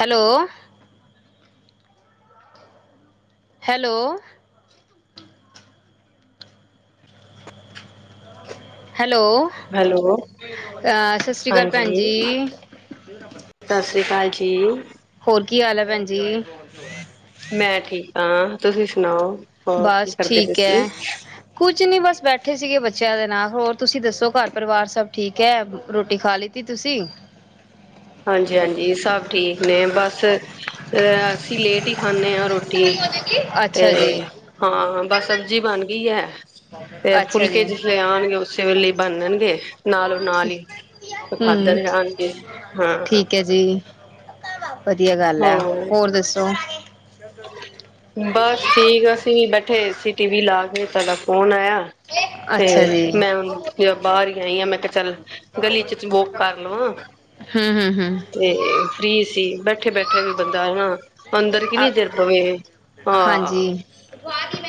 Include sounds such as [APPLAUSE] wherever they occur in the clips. Hello hello hello hello, ਸਤਿ ਸ਼੍ਰੀ ਅਕਾਲ ਭੈਣ ਹਾਂਜੀ ਜੀ। ਸਤਿ ਸ਼੍ਰੀ ਅਕਾਲ ਜੀ। ਹੋਰ ਕੀ ਹਾਲ ਹੈ ਭੈਣ ਜੀ। ਮੈਂ ਠੀਕ ਹਾਂ। ਤੁਸੀਂ ਸੁਣਾਓ। ਹੋਰ ਕੀ ਬਸ ਕਰਦੇ ਪਏ ਠੀਕ ਸੀ? ਹੈ। ਕੁਛ ਨੀ ਬਸ ਬੈਠੇ ਸੀ ਗੇ। ਬੱਚਿਆਂ ਦੇ ਨਾਲ ਹੋਰ ਤੁਸੀਂ ਦੱਸੋ। ਘਰ ਪਰਿਵਾਰ ਸਭ ਠੀਕ ਹੈ ਰੋਟੀ ਖਾ ਲੀ ਤੁਸੀਂ। ਹਾਂਜੀ ' ਹਾਂਜੀ ਸਭ ਠੀਕ ਨੇ। ਬਸ ਅਸੀਂ ਲੇਟ ਹੀ ਖਾਂਦੇ ਹਾਂ ਰੋਟੀ। ਅੱਛਾ ਤੇ ਜੀ ਹਾਂ ਬਸ ਸਬਜ਼ੀ ਬਣ ਗਈ। ਹੈ ਤੇ ਅੱਛਾ ਫੁਲਕੇ ਜੀ ਜਿਸ ਵੇਲੇ ਆਉਣਗੇ ਉਸੇ ਵੇਲੇ ਹੀ ਬਣਨਗੇ ਨਾਲੋਂ ਨਾਲ ਹੀ ਹਮ ਖਾਂਦੇ ਜਾਣਗੇ। ਹਾਂ ਠੀਕ ਹੈ ਜੀ। ਵਧੀਆ ਗੱਲ ਏ ਹਾਂ ਹੋਰ ਦੱਸੋ। ਬਸ ਠੀਕ ਅਸੀਂ ਵੀ। ਏਸੀ ਟੀਵੀ ਲਾ ਕੇ ਤੁਹਾਡਾ ਫੋਨ ਆਇਆ। ਤੇ ਅੱਛਾ ਜੀ ਮੈਂ ਹੁਣ ਬਾਹਰ ਹੀ ਆਈ ਆ। ਮੈਂ ਕਿਹਾ ਚੱਲ ਗਲੀ ਚ ਵੋਕ ਕਰ ਲਵਾਂ। ਹਮ ਹਮ ਹਮ ਤੇ ਫ੍ਰੀ ਸੀ। ਬੈਠੇ ਬੈਠੇ ਵੀ ਬੰਦਾ ਔ ਨਾ। ਅੰਦਰ ਕਿੰਨੀ ਆ ਦੇਰ ਪਵੇ ਹਾਂ ਹਾਂਜੀ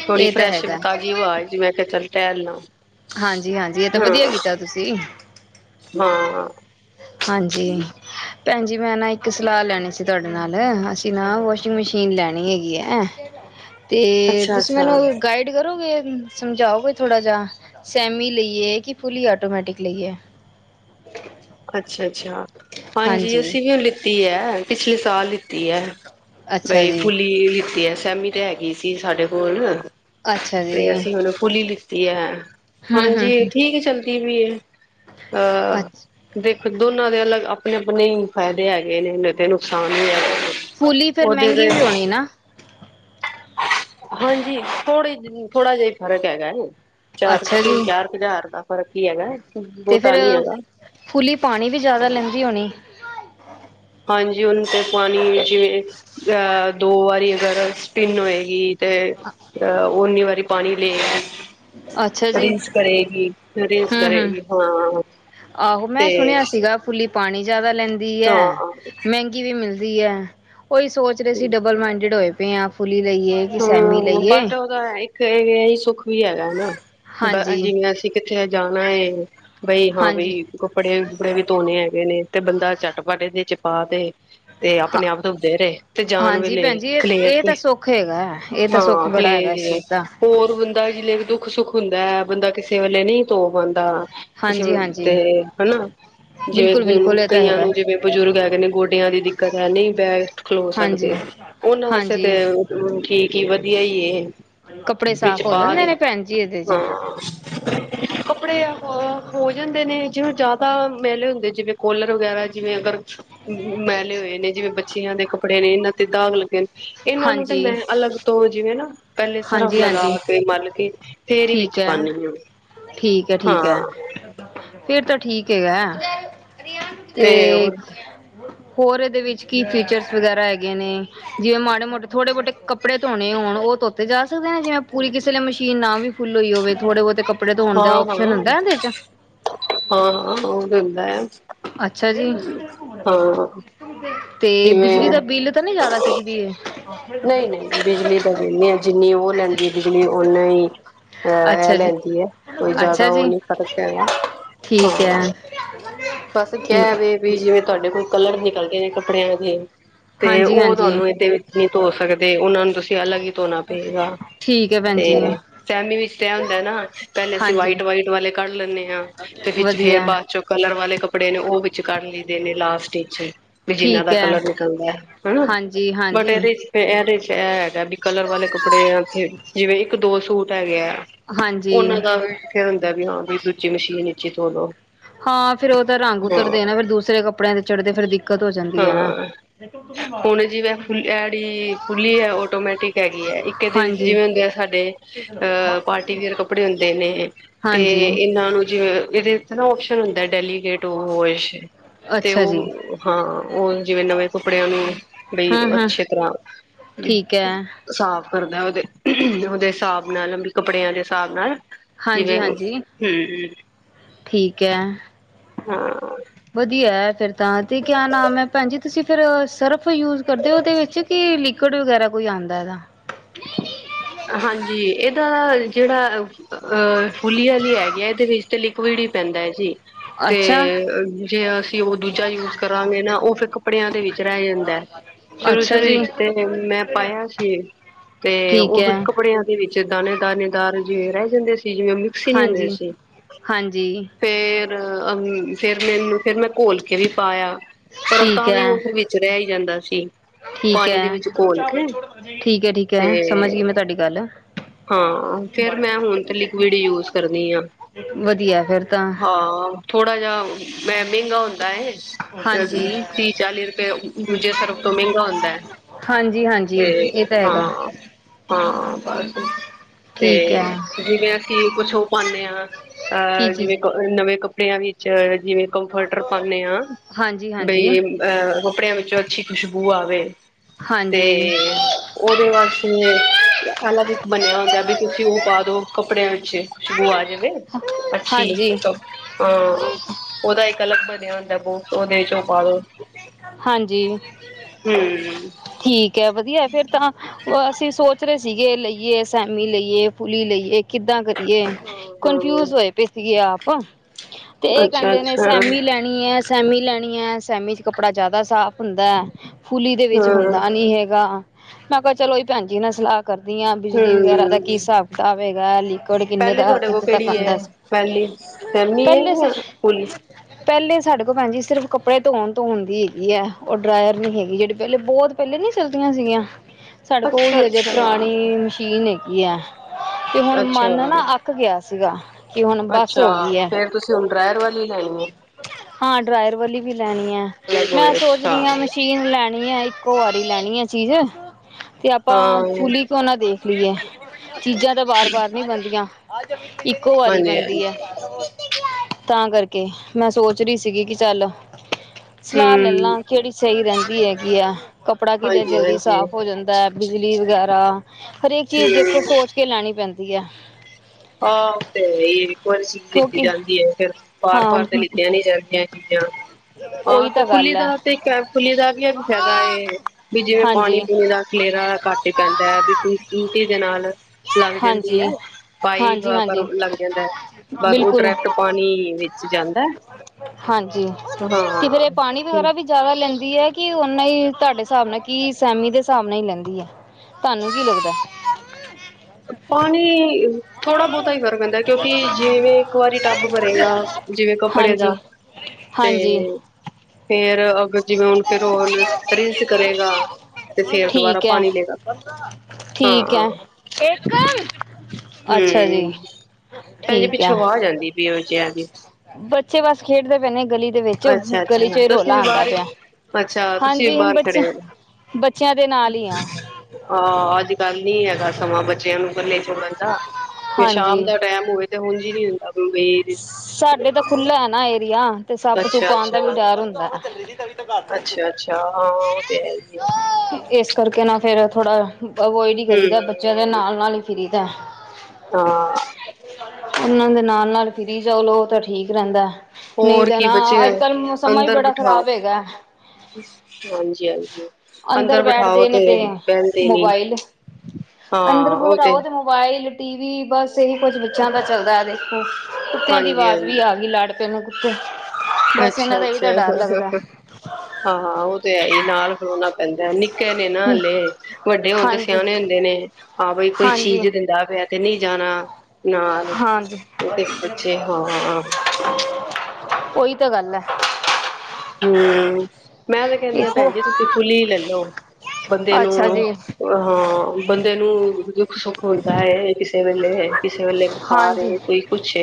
ਥੋੜੀ ਇਹ ਤਾਂ ਫਰੈਸ਼ ਹੈਗਾ ਤਾਜ਼ੀ ਹਵਾ ਜਿਵੇ ਕਿਹਾ ਚੱਲ। ਪਹਿਲਾ ਹਾਂਜੀ ਹਾਂਜੀ, ਇਹ ਤਾਂ ਵਧੀਆ ਕੀਤਾ ਤੁਸੀਂ। ਹਾਂ ਹਾਂਜੀ। ਭੈਣ ਜੀ ਮੈਂ ਨਾ ਇੱਕ ਸਲਾਹ ਲੈਣੀ ਸੀ ਤੁਹਾਡੇ ਨਾਲ। ਅਸੀਂ ਨਾ ਵੋਸ਼ਿੰਗ ਮਸ਼ੀਨ ਲੈਣੀ ਹੈਗੀ ਹੈ। ਏ ਅੱਛਾ ਤੁਸੀਂ ਅੱਛਾ ਮੈਨੂੰ ਗਾਈਡ ਕਰੋਗੇ। ਸਮਝਾਓਗੇ ਥੋੜਾ ਜਿਹਾ। ਸੈਮੀ ਲਈਏ ਕਿ ਫੁੱਲੀ ਆਟੋਮੈਟਿਕ ਲਈਏ। ਅੱਛਾ! ਅੱਛਾ। ਹਾਂਜੀ। ਅਸੀਂ ਵੀ ਉਹ ਲਿੱਤੀ ਹੈ। ਪਿਛਲੇ ਸਾਲ ਲਿੱਤੀ ਹੈ। ਅੱਛਾ ਬਈ ਜੀ ਫੁੱਲੀ ਲਿੱਤੀ ਹੈ। ਸੈਮੀ ਤੇ ਹੈਗੀ ਸੀ ਸਾਡੇ ਕੋਲ। ਅੱਛਾ ਜੀ ਤੇ ਅਸੀਂ ਮਤਲਬ ਫੂਲੀ ਲਿੱਤੀ ਹੈ। ਹੂੰ ਹੂੰ ਹਾਂਜੀ ਹੂੰ ਠੀਕ ਚੱਲਦੀ। ਟੀਵੀ [INAUDIBLE] ਆ। ਅੱਛਾ ਦੇਖੋ, ਦੋਨਾਂ ਦੇ ਅਲੱਗ ਆਪਣੇ-ਆਪਣੇ ਹੀ ਫਾਇਦੇ ਹੈਗੇ ਨਈ ਤੇ ਨੁਕਸਾਨ ਵੀ ਹੈਗੇ ਨੇ। ਫੂਲੀ ਫਿਰ ਮਹਿੰਗੀ ਵੀ ਹੋਣੀ ਨਾ। ਹਾਂਜੀ। ਥੋੜ੍ਹਾ-ਥੋੜਾ ਜਿਹਾ ਫ਼ਰਕ ਹੈਗਾ। ਅੱਛਾ ਜੀ [UNINTELLIGIBLE] ਪਰ ਕੀ ਹੈਗਾ। ਬਹੁ ਤਾਂ ਨਹੀਂ ਹੈਗਾ ਖੁੱਲ੍ਹੀ ਪਾਣੀ ਵੀ ਜ਼ਿਆਦਾ ਲੈਂਦੀ ਹੋਣੀ। ਹਾਂਜੀ, ਉਹਨ ਤੇ ਪਾਣੀ ਜਿਵੇਂ ਅਹ ਦੋ ਵਾਰੀ ਗਰਮ ਤਿੰਨ ਹੋਏਗੀ। ਤੇ ਅ ਓਨੀ ਵਾਰੀ ਪਾਣੀ ਲ ਅੱਛਾ ਜੀ। ਰਸ ਕਰੇਗੀ ਰ ਹੂੰ-ਹੂੰ, ਕਰੇਗੀ ਹਾਂ। ਆਹੋ ਮੈਂ ਤੇ ਸੁਣਿਆ ਸੀਗਾ ਫੁੱਲੀ ਪਾਣੀ ਜ਼ਿਆਦਾ ਲੈਂਦੀ ਹੈ ਹਾਂ ਮਹਿੰਗੀ ਵੀ ਮਿਲਦੀ ਦੀ ਹੈ। ਉਹੀ ਸੋਚ ਰਹੇ ਸੀ, ਡਬਲ ਮਾਇਂਡਡ ਹੋਏ। ਪ ਫੁੱਲ ਲੀ ਲਈਏ, ਕਿ ਸੈਮੀ ਹਾਂ ਲਈਏ। ਬਟ [INAUDIBLE] ਹੈਗਾ ਹੈ ਬ ਹਾਂਜੀ-ਹਾਂਜੀ, ਜਿਵੇਂ ਅਸੀਂ ਕਿੱਥੇ ਜਾਣਾ ਹੈ ਬਈ ਹਾਂ ਬਈ ਕੱਪੜੇ ਕੱਪੜੇ ਵੀ ਧੋਣੇ ਹੈਗੇ ਨੇ ਤੇ ਬੰਦਾ ਚਟਪਟ ਇਹਦੇ ਚ ਪਾ ਦੇ। ਤੇ ਹਾਂ ਆਪਣੇ ਆਪ ਧਦੇ ਰਹੇ ਤੇ ਜਾਨ ਵੀ ਹਾਂਜੀ ਲੈ ਭੈਣ ਜੀ ਇਹ ਖਲੇਰ ਇਹ ਕੇ ਤਾਂ ਸੁੱਖ ਹੈਗਾ ਇਹ ਤਾਂ ਸੁੱਖ ਹਾਂ ਬੜਾ ਹੈਗਾ ਕਲੇਰ ਜ ਇਸ ਹੈ ਚੀਜ਼ ਦਾ। ਹੋਰ ਬੰਦਾ ਜਿ ਦੁੱਖ-ਸੁੱਖ ਹੁੰਦਾ ਬੰਦਾ ਕਿਸੇ ਵੇਲੇ ਨਹੀਂ ਧੋ ਪਾਉਂਦਾ। ਤੇ ਹਾਂਜੀ-ਹਾਂਜੀ, ਹਨਾ ਜੇ ਬਿਲਕੁਲ-ਬਿਲਕੁਲ ਇਹ ਤਾਂ ਕਈਆਂ ਹੈਗਾ ਨੂੰ ਜਿਵੇਂ ਬਜ਼ੁਰਗ ਆ ਗਏ ਨੇ ਗੋਡਿਆਂ ਦੀ ਦਿੱਕਤ ਆ ਨਹੀਂ ਬੈਸਟ ਖਲੋ ਸਕਦੇ ਹਾਂਜੀ। ਆ ਉਹਨਾਂ ਵਾਸਤੇ ਹਾਂਜੀ, ਕੀ ਵਧੀਆ ਇਹ। ਕੱਪੜੇ ਵਿੱਚ ਸਾਫ਼ ਹੋ ਪਾ ਜਾਂਦੇ ਦੇ ਹ ਨੇ ਭੈਣ ਜੀ ਇਹਦੇ 'ਚ ਕੱਪੜੇ ਹੋ ਜਾਂਦੇ ਨੇ ਜਿਂ ਜ਼ਿਆਦਾ ਤਾਂ ਮੇਲੇ ਹੁੰਦੇ ਜਿਵੇਂ ਕੋਲਰ ਵਗੈਰਾ ਜਿਵੇਂ ਅਗਰ ਮੈਲੇ ਹੋਏ ਨੇ ਜਿਵੇਂ ਬੱਚੀਆਂ ਦੇ ਕੱ ਕੱੜੇ ਨੇ ਇਹਨਾਂ ਤੇ ਦਾਗ ਨੇ ਇਹਨਾਂ ਨੂੰ ਤੇ ਹਾਂਜੀ। ਮੈਂ ਅਲੱਗ ਤੋਂ ਹੋ ਜਾਵੇ ਨਾ। ਪਹਿਲੇ ਸਰਫ ਹਾਂਜੀ ਲਗਾ ਹਾਂਜੀ ਕੇ ਮਲ ਕੇ। ਫੇਰ ਹੀ ਵਿੱਚ ਠੀਕ ਹੈ ਪਾਉਂਦੇ ਹਾਂ। ਠੀਕ ਹੈ, ਠੀਕ ਹੈ। ਫੇਰ ਤਾਂ ਠੀਕ ਹੈਗਾ। ਤੇ ਉਹ ਠੀਕ। ਹੋਰ ਇਹਦੇ ਵਿੱਚ ਕੀ ਫੀਚਰਸ ਵਗੈਰਾ ਹੈਗੇ, ਨੇ ਜਿਵੇਂ ਮਾੜੇ ਮੋਟੇ ਥੋੜ੍ਹੇ ਮੋਟੇ ਕੱਪੜੇ ਧੋਣੇ ਹੋਣ ਉਹ ਧੋਤੇ ਜਾ ਸਕਦੇ ਨੇ ਜਿਵੇਂ ਪੂਰੀ ਕਿਸੇ ਲਈ ਮਸ਼ੀਨ ਨਾ ਵੀ ਫੁੱਲ ਹੋਈ ਹੋਵੇ ਥੋੜ੍ਹੇ ਬਹੁਤੇ ਕੱਪ ਹਾਂ-ਹਾਂ-ਹਾਂ-ਹਾਂ, ਉਹ ਤੇ ਹੁੰਦਾ ਹੈ ਅੱਛਾ ਜੀ ਹਾਂ। ਤੇ ਜਿਵੇਂ ਬਿਜਲੀ ਦਾ ਬਿੱਲ ਤਾਂ ਨਹੀਂ ਜ਼ਿਆਦਾ ਖਿੱਚਦੀ ਇਹ ਨਹੀਂ-ਨਹੀਂ, ਬਿਜਲੀ ਦਾ ਬਿੱਲ ਨਹੀ ਹੈ ਜਿੰਨੀ ਉਹ ਲੈਂਦੀ ਬਿਜਲੀ ਉਨਾ ਹੀ ਅਹ ਇਹ ਅੱਛਾ ਜੀ ਲੈਂਦੀ। ਕੋਈ ਅੱਛਾ ਜ਼ਿਆਦਾ ਉਹ ਜੀ ਨੀ ਫਰਕ ਹੈਗਾ ਠੀਕ ਹੈ ਹਾਂ, ਬਸ ਠੀਕ ਕਹਿ ਵੇ ਵੀ ਜਿਵੇਂ ਤੁਹਾਡੇ ਕੋਲ ਕਲਰ ਨਿਕਲਗੇ ਨੇ ਕੱਪੜਿਆਂ ਦੇ ਤੇ ਹਾਂਜੀ ਉਹ ਹਾਂਜੀ ਤੁਹਾਨੂੰ ਇਹਦੇ ਵਿੱਚ ਨੀ ਧੋਹ ਸਕਦੇ ਉਹਨਾਂ ਨੂੰ ਅਲੱਗ ਧੋਣਾ ਪਏਗਾ, ਠੀਕ ਹੈ ਭੈਣ ਜੀ ਤੇ ਸੈਮੀ ਵਿੱਚ ਤੇ ਇਹ ਹੁੰਦਾ ਨਾ ਪਹਿਲੇ ਅਸੀਂ ਹਾਂਜੀ ਵਾਈਟ-ਵਾਈਟ ਵਾਲੇ ਕੱਢ ਲੈਂਨੇ ਆ ਤੇ ਵਿੱਚ ਫੇਰ ਵਧੀਆ ਬਾਅਦ ਚੋਂ ਕਲਰ ਵਾਲੇ ਨੇ ਉਹ ਵਿੱਚ ਕਰ ਲਈ ਦੇ ਨੇ ਲਾਸਟ ਵਿਚ ਵੀ ਜਿੰਨਾਂ ਠੀਕ ਦਾ ਹੈ ਕਲਰ ਨਿਕਲਦਾ ਹਨਾ, ਹਾਂਜੀ ਬਟ ਹਾਂਜੀ ਇਹਦੇ ਇਹਦੇ ਚ ਇਹ ਹੈਗਾ ਬਈ ਕਲਰ ਵਾਲੇ ਕੱਪੜੇ ਆ ਤੇ ਜਿਵੇਂ, ਇੱਕ ਦੋ ਸੂਟ ਹੈਗੇ ਆ। ਹਾਂਜੀ ਉਹਨਾਂ ਦਾ ਵੀ ਫਿਰ [UNINTELLIGIBLE] ਵੀ ਹਾਂ ਬਈ ਦੂਜੀ ਮਸ਼ੀਨ ਵਿੱਚ ਹੀ ਧੋਲੋ। ਹਾਂ, ਫਿਰ ਉਹ ਤਾਂ ਰੰਗ ਹਾਂ-ਹਾਂ, ਉਤਰਦੇ ਨਾ ਫਿਰ ਦੂਸਰੇ ਕੱਪੜਿਆਂ ਤੇ ਚੜ੍ਹਦੇ ਫਿਰ ਦਿੱਕਤ ਹੋ ਜਾਂਦੀ ਹੈ ਨਾ ਹੁਣ ਜਿਵੇਂ [UNINTELLIGIBLE] ਫੁੱਲੀ ਹੈ ਆਟੋਮੈਟਿਕ ਹੈਗੀ ਹੈ, ਇੱਕ ਇਹਦੇ ਵਿੱਚ ਹਾਂਜੀ ਜਿਵੇਂ ਹੁੰਦੇ ਆ ਸਾਡੇ ਅਹ ਪਾਰਟੀ ਵੇਅਰ ਕੱਪੜੇ ਹੁੰਦੇ ਨੇ ਤੇ ਹਾਂਜੀ ਇਹਨਾਂ ਨੂੰ ਜਿਵੇਂ ਇਹਦੇ ਨਾ ਓਪਸ਼ਨ ਹੁੰਦਾ ਡੈਲੀਗੇ ਤੋਂ ਹੋਏ ਸੀ, ਤੇ ਅੱਛਾ ਜੀ ਉਹ ਹਾਂ ਉਹ ਜਿਵੇਂ ਨਵੇਂ ਕੱਪੜਿਆਂ ਨੂੰ ਬਈ ਹਮ ਹਮ ਅੱਛੇ ਤਰ੍ਹਾਂ ਵੀ ਠੀਕ ਹੈ ਸਾਫ ਕਰਦਾ ਉਹਦੇ-ਉਹਦੇ ਹਿਸਾਬ ਨਾਲ ਲੰਬੀ ਕੱਪੜਿਆਂ ਦੇ ਹਿਸਾਬ ਨਾਲ ਹਾਂਜੀ-ਹਾਂਜੀ ਜਿਵੇਂ ਹਮ ਠੀਕ ਹੈ। ਹਾਂ। ਵਧੀਆ ਫਿਰ ਤਾਂ ਤੇ ਕਿਆ ਨਾਮ ਹੈ ਭੈਣ ਜੀ ਤੁਸੀਂ ਫੇਰ ਸਰਫ ਯੂਜ ਕਰਦੇ ਹੋ ਉਹਦੇ ਵਿੱਚ ਕਿ ਲਿਕੁਡ ਵਗੈਰਾ ਕੋਈ ਆਦਾ ਇਹਦਾ। ਹਾਂਜੀ, ਇਹਦਾ ਜਿਹੜਾ ਅਹ ਫੁਲੀ ਵਾਲੀ ਹੈਗੀ ਇਹਦੇ ਵਿੱਚ ਤੇ ਲਿਕੁਡ ਹੀ ਪੈਂਦਾ ਜੀ। ਤੇ ਅੱਛਾ ਜੇ ਅਸੀਂ ਉਹ ਦੂਜਾ ਯੂਜ ਕਰਾਂਗੇ ਨਾ ਉਹ ਫਿਰ ਕੱਪ ਕੱਪੜਿਆਂ ਦੇ ਵਿੱਚ ਵਿੱਚ ਰਹਿ ਜਾਂਦਾ ਅੱਛਾ ਸ਼ੁਰੂ-ਸ਼ੁਰੂ ਜੀ ਵਿੱਚ ਤੇ ਮੈਂ ਪਾਇਆ ਸੀ ਤੇ ਠੀਕ ਉਹ ਹੈ ਕੱਪੜਿਆਂ ਦੇ ਵਿੱਚ ਦਾਣੇੇ-ਦਾਣੇ ਦਾਰ ਜੇ ਰਹਿ ਜਾਂਦੇ ਸੀ। ਜਿਵੇਂ ਮਿਕਸੀ ਨੀ ਹੁੰਦੀ ਹਾਂਜੀ ਸੀ ਹਾਂਜੀ ਫੇਰ ਫੇਰ ਮੈਨੂੰ ਫਿਰ ਮੈਂ ਘੋਲ ਕੇ ਵੀ ਪਾਇਆ। ਪਰ ਉਹ ਠੀਕ ਤਾਂ ਵੀ ਹੈ ਉਹ ਫਿਰ ਵਿਚ ਰਹਿ ਹੀ ਜਾਂਦਾ ਸੀ। ਜੀ। ਠੀਕ ਹੈ ਠੀਕ ਹੈ ਠੀਕ ਹੈ ਸਮਝ ਤੇ ਗਈ ਮੈਂ ਤੁਹਾਡੀ ਗੱਲ। ਹਾਂ ਫੇਿਰ ਮੈਂ ਹੁਣ ਤਾਂ ਲੀਕਵਡ ਯੂਜ ਕਰਦੀ ਆ ਵਧੀਆ ਫਿਰ ਤਾਂ ਹਾਂ ਥੋੜਾ ਜਿਹਾ ਮੈਂ ਮਹਿੰਗਾ ਹੁੰਦਾ ਹੈ ਹਾਂਜੀ ਤੀਹ ਚਾਲੀ ਰੁਪਏ ਦੂਜੇ ਸਫ ਤੋਂ ਮਹਿੰਗਾ ਹੁੰਦਾ ਹੈ ਹਾਂਜੀ ਹਾਂਜੀ ਤੇ ਇਹ ਤਾਂ ਹੈਗਾ ਹਾਂ ਹਾਂ ਬਸ ਤੇ ਠੀਕ ਹੈ ਜਿਵੇਂ ਅਸੀਂ ਕੁਛ ਉਹ ਪਾਨੇ ਆ ਕੀ ਅਹ ਚੀਜ਼ ਜਿਵੇਂ ਨਵੇਂ ਕੱਪ ਕੱਪੜਿਆਂ ਵਿੱਚ ਜਿਵੇਂ ਕੰਫਰਟਰ ਪਾਨੇ ਆ, ਹਾਂਜੀ ਹਾਂਜੀ ਬਈ ਅ ਕੱਪੜਿਆਂ ਵਿੱਚ ਅੱਛੀ ਖੁਸ਼ਬੂ ਬੂ ਆਵੇ ਤੇ ਹਾਂਜੀ ਉਹਦੇ ਵਸ ਤੇ ਅਲਾ ਦੀ ਬਣਿਆ ਹੁੰਦਾ ਵੀ ਤੁਸੀਂ ਉਹ ਪਾ ਦੋ ਕੱਪੜਿਆਂ ਵਿੱਚ ਖੁਸ਼ਬੂ ਆ ਜੈ ਅੱਛੀ ਹਾਂਜੀ ਕਬ ਉਹਦਾ ਏ ਅਲੱਗ ਬਣਿਆ ਹੁੰਦਾ ਬਹੁ ਉਹਦੇ ਚੋਂ ਪਾ ਦੋ ਹਾਂਜੀ ਹੂੰ ਠੀਕ ਹੈ ਵਧੀਆ ਫੇਰ ਤਾਂ ਅਸੀਂ ਸੋਚ ਰੇ ਸੀ ਲਈਏ ਸੈਮੀ ਲਈਏ ਫੁਲੀ ਲਈਏ ਕਿੱਦਾਂ ਕਰੀਏ ਹਾਂ ਕਨਫਿਊਜ਼ ਹੋਏ ਪਏ ਸੀਗੇ ਆਪ ਤੇ ਇਹ ਅੱਛਾ ਕਹਿੰਦੇ ਨੇ ਅੱਛਾ ਸੈਮੀ ਲੈਣੀ ਹ ਸੈਮੀ ਲੈਣੀ ਹੈ ਸੈਮੀ ਚ ਕੱਪੜਾ ਜਿਆਦਾ ਸਾਫ ਹੁੰਦਾ ਐ ਫੁਲੀ ਦੇ ਵਿੱਚ ਹਾਂ ਹੁੰਦਾ ਨਹੀਂ ਹੈਗਾ ਮੈਂ ਕਹਾ ਚਲੋ ਭੈਣਜੀ ਨਾ ਸਲਾਹ ਕਰਦੀਆਂ ਬਿਜਲੀ ਵਗੈਰਾ ਦਾ ਹੂੰ ਕੀ ਹਿਸਾਬ ਕਿਤਾਬ [UNINTELLIGIBLE] ਪਹਿਲੇ ਦਾ ਤੁਹਾਡੇ ਕੋਲ ਕਿੱਥੇ ਤੱਕ ਕਿਹੜੀ ਹੈ ਆਉਂਦਾ ਪਹਿਲੀ ਸੈਮੀ ਹੈ ਪਹਿਲੇ ਜਾ ਫੁੱਲ ਪਹਿਲੇ ਸਾਡੇ ਕੋਲ ਭੈਣ ਜੀ ਸਿਰਫ ਕੱਪੜੇ ਧੋਣ ਧੋਣ ਦੀ ਹੈਗੀ ਹ ਉਹ ਡਰਾਇਰ ਨਹੀਂ ਹੈਗੀ ਜਿਹੜੀ ਪਹਿਲੇ ਬਹੁਤ ਪਹਿਲੇ ਨਹੀਂ ਚੱਲਦੀਆਂ ਸੀਗੀਆਂ ਸਾਡੇ ਅੱਛਾ ਕੋਲ ਅਜੇ ਅੱਛਾ ਪੁਰਾਣੀ ਮਸ਼ੀਨ ਹੈ [UNINTELLIGIBLE] ਤੇ ਹੁਣ ਅੱਛਾ ਮਨ ਨਾ ਅੱਕ ਗਿਆ ਸੀ ਗਾ ਕੀ ਹੁਣ ਬਸ ਹੋ ਗਈ ਹੈ ਡਰੈਵਰ ਹਾਂ ਡਰਾਈਰ ਵਾਲੀ ਵੀ ਲੈਣੀ ਏ, ਅਲੱਗ ਮੈਂ ਹੋਏ ਸੋਚ ਅੱਛਾ ਰਹੀ ਆ ਮਸ਼ੀਨ ਇੱਕੋ ਵਾਰੀ ਲੈਣੀ ਹ ਚੀਜ਼ ਤੇ ਆਪਾਂ ਹਾਂ ਫੂਲੀ ਕਿਉਂ ਨਾ ਦੇਖ [UNINTELLIGIBLE] ਚੀਜ਼ਾਂ ਤਾਂ ਬਾਰ-ਬਾਰ ਨਹੀ ਬਣਦੀਆਂ- ਹਜ [UNINTELLIGIBLE] ਇੱਕੋ ਵਾਰੀ ਬਣਦੀ ਹੈ ਹਾਂਜੀ-ਹਾਂਜੀ, ਤਾਂ ਕਰ ਕੇ ਮੈਂ ਸੋਚ ਰਹੀ ਸੀਗੀ ਕਿ ਚੱਲ ਸਲਾਹ ਲੈ ਹੂੰ, ਲਾਂ ਕਿਹੜੀ ਸਹੀ ਹੇਣ ਕੀ ਹੈ ਕੀ ਆ ਕੱਪੜਾ ਕਿਤੇ ਜਲਦੀ ਹਾਂਜੀ-ਹਾਂਜੀ। ਸਾਫ਼ ਹੋ ਜਾਂਦਾ ਹੈ, ਬਿਜਲੀ ਵਗੈਰਾ ਹਰੇਕ ਚੀਜ਼ ਦੇਖੋ ਹੂੰ, ਸੋਚ ਕੇ ਲੈਣੀ ਪੈਂਦੀ ਵਧੀਆ ਆਹੋ ਉਹ ਤੇ ਹੈ ਇੱਕ ਵਾਰੀ ਚੀਜ਼ ਲੀਤੀ ਕਿਉਂਕਿ ਜਾਂਦੀ ਹੈ ਫਿਰ ਵਾਰ-ਵਾਰ ਤੇ ਹਾਂ ਲਿਤੀਆਂ ਨੀ ਜਾਂਦੀਆਂ ਚੀਜ਼ਾਂ, ਆਹ ਉਹੀ ਤੇ ਤਾਂ ਫੁੱਲੀ ਗੱਲ ਹੈ ਦਾ ਤੇ ਇੱਕ ਫੁੱਲੀ ਦਾ ਵੀ ਫਾਇਦਾ ਇਹ ਵੀ ਜਿਵੇਂ ਪਾਣੀ ਹਾਂਜੀ ਪੁਣੀ ਦਾ ਖਲੇਰਾ ਘੱਟ ਹੀ ਪੈਂਦਾ ਹੈ ਵੀਤੀ ਦੇ ਨਾਲ ਲੱਗ ਜਾਂਦੀ ਹਾਂਜੀ ਹੈ ਪਾਈਪ ਹਾਂਜੀ ਭ ਹਾਂਜੀ ਲੱਗ ਜਾਂਦਾ ਹੈ ਬਸ ਉਹ ਬਿਲਕੁਲ ਡਰੈਕਟ ਪਾਣੀ ਵਿੱਚ ਜਾਂਦਾ, ਹਾਂਜੀ, ਤੇ ਫੇਰ ਇਹ ਪਾਣੀ ਹਾਂ। ਵਗੈਰਾ ਵੀ ਜ਼ਿਆਦਾ- ਲੈਂਦੀ ਹੈ ਕਿ ਉਨ੍ਹਾਂ ਹੀ ਤੁਹਾਡੇ ਹਿਸਾਬ ਨਾਲ ਕੀ ਸੈਮੀ ਦੇ ਹਿਸਾਬ ਨਾਲ ਹੀ ਲੈਂਦੀ ਹੈ ਤੁਹਾਨੂੰ ਕੀ ਲੱਗਦਾ ਪਾਣੀ ਥੋੜਾ ਬਹੁਤਾ ਹੀ ਫ਼ਰਕ ਪੈਂਦਾ ਕਿਉਂਕਿ ਜਿਵੇਂ ਇੱਕ ਵਾਰੀ ਟੱਬ ਭਰੇਗਾ ਜਿਵੇਂ ਕੱਪੜੇ ਹਾਂਜੀ ਦਾ ਤੇ ਹਾਂਜੀ ਫੇਰ ਜਿਵੇਂ ਹੁਣ ਫਿਰ ਹੁਣ ਰਿੰਸ ਕਰੇਗਾ ਤੇ ਫੇਰ ਦੁਬਾਰਾ ਠੀਕ ਹੈ ਪਾਣੀ ਲਏਗਾ ਠੀਕ ਹੈ ਹਾਂ [UNINTELLIGIBLE] ਅੱਛਾ ਜੀ ਹਮ ਭੈਣ ਜੀ ਠੀਕ ਪਿੱਛੋਂ ਹੈ ਆਵਾਜ਼ ਆਦੀ ਪਈ ਬਚੀਆਂ ਦੀ ਬੱਚੇ ਬਸ ਖੇਡਦੇ ਪਏਣੇ ਗਲ਼ੀ ਵਿਚ ਦੇ ਵਿੱਚ ਅੱਛਾ ਗਲੀ ਚੋਂ ਅੱਛਾ ਹੀ ਤੁਸੀਂ ਵੀ ਰੋਲਾ ਆਦ ਅੱਛਾ। ਤੁਸੀਂ ਬਾਹਰ ਖੜੇ ਹੋ ਬੱਚਿਆਂ ਦੇ ਨਾਲ ਹੀ ਆ ਹਾਂ ਅੱਜਕੱਲ ਨੀ ਹੈ- ਦਾ ਸਮਾਂ ਬੱਚਿਆਂ ਨੂੰ ਮੱਲੇ ਜੋੜਨ ਦਾ ਫੇਰ ਸ਼ਾਮ ਹਾਂਜੀ ਦਾ ਟੈਮ ਹੋਵੇ ਤੇ ਉਝ ਇ ਨੀ ਹੁੰਦਾ [UNINTELLIGIBLE] ਸਾਡੇ ਤਾਂ ਖੁੱਲ੍ਹਾ ਹੈ ਨਾ ਇਹ ਤੇ ਸੱਪ-ਸੁੱਪ ਅੱਛਾ ਪਾਉਣ ਦਾ ਵੀ ਅੱਛਾ ਡਰ ਹੁੰਦਾ ਅੱਛਾ-ਅੱਛਾ ਹਾਂ ਉਹ ਤੇ ਹੈ ਹੀ ਆ ਹੈ ਇਸ ਕਰਕੇ ਨਾ ਫਿਰ ਥੋੜਾ ਅਵੋਇਡ ਹੀ ਕਰੀਦਾ ਬੱਚਿਆਂ ਦੇ ਹੂੰ ਨਾਲ- ਨਾਲ ਹੀ ਫਿਰੀ [UNINTELLIGIBLE] ਹਾਂ। ਉਹਨਾਂ ਦੇ ਨਾਲ-ਨਾਲ ਕੀ ਚਲ ਉਹ ਤਾਂ ਠੀਕ ਰਹਿੰਦਾ। ਨਹੀਂ ਹੋਰ ਤਾਂ ਕੀ ਨਾ ਬਚਿਆ ਅੱਜ ਕੱਲ ਸਮਾਂ ਹੀ ਅੰਦਰ ਬੜਾ ਬਿਠਾ, ਖ਼ਰਾਬ ਹੈਗਾ ਹਾਂਜੀ- ਹਾਂਜੀ, ਅੰਦਰ ਬਿਠਾਓ ਤੇ ਬਹਿਿੰਦੇ ਨੀ ਮੋਬਾਇਲ ਅੰਦਰ ਹਾਂ ਉਹ ਤੇ ਬਿਠਾਓ ਮੋਬਾਇਲ ਟੀ ਵੀ ਬਸ ਇਹੀ ਕੁਛ ਪਛਾਂ ਦਾ ਚੱਲਦਾ। ਹਮ ਕੁੱਤਿਆਂ ਦੀ ਆਵਾਜ਼ ਵੀ ਹਾਂਜੀ-ਹਾਂਜੀ ਆ ਗਈ ਲਾੜ। ਕਿਤੇ ਨਾ ਕਿਤੇ। ਅੱਛਾ-ਅੱਛਾ ਹਾਂ ਉਹ ਤੇ ਹੈ ਹੀ ਨਾਲ ਖਲੋਣਾ ਪੈਂਦਾ ਨਿੱਕੇ ਨੇ ਨਾ ਹਲੇ ਵੱਡੇ ਹੋਣ ਤੇ ਹਾਂਜੀ ਸਿਆਣੇ ਹੁੰਦੇ ਨੇ ਹਾਂ ਬਈ ਕੋਈ ਹਾਂਜੀ ਚੀਜ਼ ਦਿੰਦਾ ਪਿਆ। ਤੇ ਨਹੀਂ ਜਾਣਾ ਨਾਲ ਹਾਂਜੀ ਤੇ ਪੁੱਛੇ ਹਾਂ। ਉਹੀ ਤਾਂ ਗੱਲ ਹੈ। ਹਮ ਮੈਂ ਤੇ ਕਹਿੰਦੀ ਹਾਂ ਇਹੋ ਭੈਣ ਜੀ ਤੁਸੀਂ ਫੁੱਲ ਲੈਲੋ ਬੰਦੇ ਨੂੰ ਅੱਛਾ ਜੀ ਹਾਂ ਬੰਦੇ ਨੂੰ ਦੁੱਖ-ਸੁੱਖ ਹੁੰਦਾ ਹੈ ਕਿਸੇ ਵੇਲੇ ਕਿਸੇ ਵਲੇ ਬੁਖਾਰ ਹਾਂਜੀ ਕੋਈ ਕੁੱਛ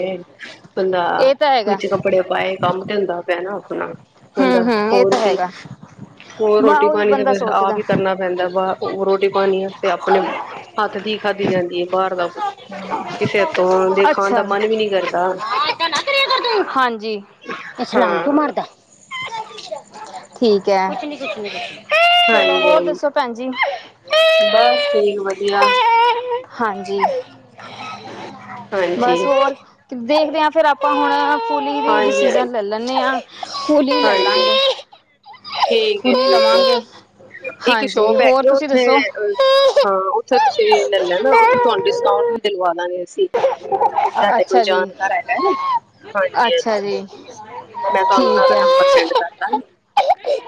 ਬੰਦਾ ਇਹ ਤਾਂ ਹੈਗਾ ਵਿੱਚ ਕੱਪੜੇ ਪਾਏ ਕੰਮ ਤੇ ਹੁੰਦਾ ਪ ਨਾ ਸੁਣਾ ਹੂੰ ਕਦਾ ਹੂੰ ਇਹ ਹੋਰ ਤਾਂ ਕੀ ਹੈਗਾ ਹੋਰ ਮੈਂ ਰੋਟੀ ਉਹੀ ਪਾਣੀ ਤਾਂ ਬੰਦਾ ਫਿਰ ਆਪ ਸੋਚਦਾ। ਹੀ ਕਰਨਾ ਪੈਂਦਾ ਬ ਰੋਟੀ ਪਾਣੀ ਵਾਤੇ ਆਪਣੇ ਹੱਥ ਦੀ ਖਾਧੀ ਜਾਂਦੀ ਹੈ ਬਾਹਰ ਦਾ ਕਿਸੇਥੋਂ ਦੇ ਖਾਣ ਦਾ ਅੱਛਾ ਜੀ। ਮਨ ਵੀ ਨੀ ਕਰਦਾ ਹਾਂ ਏਦਾਂ ਨਾ ਕਰਿਆ ਕਰ ਤੂੰ। ਹਾਂਜੀ। ਇਹ ਛਲਾਂਗ ਹਾਂ ਮਾਰਦਾ ਠੀਕ ਹੈ ਚਲੋ ਹੋਰ ਹਾਂਜੀ-ਹਾਂਜੀ ਦੱਸੋ ਭੈਣਜੀ ਬਸ ਠੀਕ ਵਧੀਆ ਹਾਂਜੀ ਹਾਂ ਬਸ ਹਾਂਜੀ। ਹੋਰ ਦੇਖਦੇ ਹਾਂ ਫੇਰ ਆਪਾਂ ਹੁਣ। ਫੂਲੀ ਵੀ ਹਾਂਜੀ ਡਿਸੀਜ਼ਨ ਲੈ ਹਾਂਜੀ ਲੈਂਦੇ ਹਾਂ। ਕੁੂਲੀ ਲ ਲਾਂ ਹਾਂਜੀ ਗ। ਠੀਕ ਹੈ, ਠੀਕ ਹੈ, ਇੱਕ ਹਾਂਜੀ ਸ਼ੋਪ ਹੋਰ ਹੈਗੀ ਆ ਤੁਸੀਂ ਉੱਥੇ ਦੱਸੋ? ਹਾਂ ਉੱਥੇ ਤੁਸੀਂ ਲੈ ਲੈ ਨਾ ਉੱਥੇ ਤੁਹਾਨੂੰ ਡਿਸਕਾਊਂਟ ਵੀ ਦਿਲਵਾ ਲਾਗੇ। [UNINTELLIGIBLE] ਅ ਸਾ ਤੇ ਕੋਈ ਅੱਛਾ ਜੀ, ਜਾਣ ਘਰ ਹੈਗਾ ਅੱਛਾ ਹਾਂਜੀ-ਹਾਂਜੀ। ਜੀ ਮੈਂ ਤੁਹਾਨੂੰ ਉਹ ਠੀਕ ਦਾ ਨੰਬਰ ਸੈਂਡ ਐ। ਕਰਦਾ।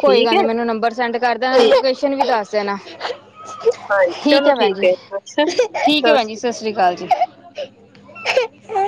ਕੋਈ ਗੱਲ ਨੀ ਮੈਨੂੰ ਨੰਬਰ ਸੈਂਡ ਕਰਦਾ‌ ਠੀਕ ਹੈ ਲੋਕੇਸ਼ਨ ਵੀ ਦੱਸ, ਚਨਾ [UNINTELLIGIBLE] ਹਾਂਜੀ ਠੀਕ ਚਲੋ ਹੈ ਭੈਣ ਜੀ ਅੱਛਾ ਠੀਕ ਹੈ, ਸਤਿ ਭੈਣ ਜੀ ਸ਼੍ਰੀ ਸਤਿ ਸ੍ਰੀ ਅਕਾਲ ਜੀ, [INAUDIBLE]